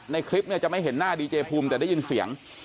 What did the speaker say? ในคลิปเนี่ยจะไม่เห็นหน้าดีเจภูมิแต่ได้ยินเสียง